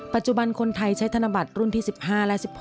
ปัจจุบันคนไทยใช้ธนบัตรรุ่นที่๑๕และ๑๖